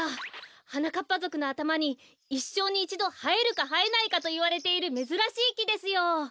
はなかっぱぞくのあたまにいっしょうにいちどはえるかはえないかといわれているめずらしいきですよ。